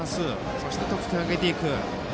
そして得点を挙げていく。